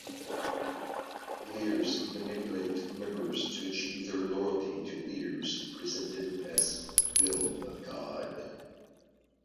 Leaders manipulate members to achieve their loyalty to leaders, presented as will of God.